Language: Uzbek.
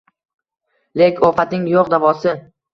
Lek ofatning yo’q davosi —